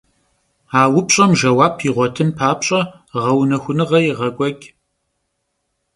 A vupş'em jjeuap yiğuetın papş'e, ğeunexunığe yêğek'ueç'.